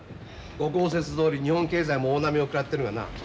ご高説どおり日本経済も大波を食らってるがな